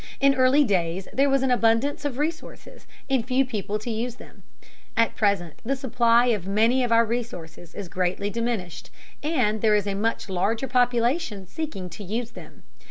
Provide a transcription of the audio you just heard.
In early days there was an abundance of resources and few people to use them; at present the supply of many of our resources is greatly diminished, and there is a much larger population seeking to use them.